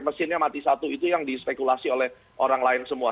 mesinnya mati satu itu yang dispekulasi oleh orang lain semua